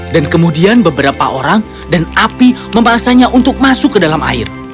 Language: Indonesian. dan kemudian beberapa orang dan api memaksanya untuk masuk ke dalam air